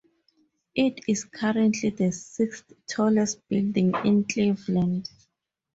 It is currently the sixth tallest building in Cleveland.